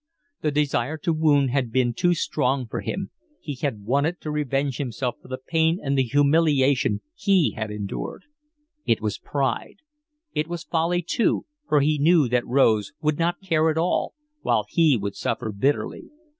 The desire to wound had been too strong for him. He had wanted to revenge himself for the pain and the humiliation he had endured. It was pride: it was folly too, for he knew that Rose would not care at all, while he would suffer bitterly.